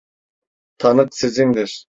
Tanık sizindir.